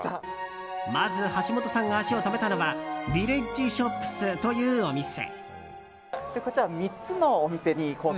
まず、橋本さんが足を止めたのはビレッジショップスというお店。